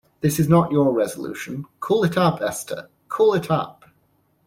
This is not your resolution; call it up, Esther, call it up!